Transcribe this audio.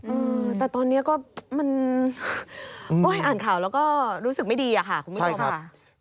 อืมแต่ตอนนี้ก็มันอ่านข่าวแล้วก็รู้สึกไม่ดีค่ะคุณพี่พร้อมค่ะ